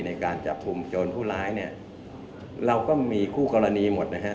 ในการจับกลุ่มโจรผู้ร้ายเนี่ยเราก็มีคู่กรณีหมดนะฮะ